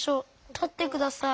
たってください。